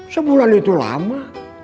sebulan itu lama